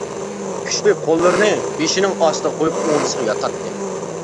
كۈچلۈك قوللىرىنى بېشىنىڭ ئاستىغا قويۇپ ئوڭدىسىغا ياتاتتى.